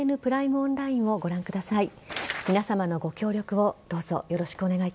オンラインをご覧ください。